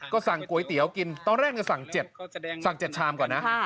ก็สั่งก๋วยเตี๋ยวกินตอนแรกจะสั่ง๗ชามก่อนนะ